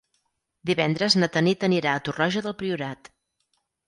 Divendres na Tanit anirà a Torroja del Priorat.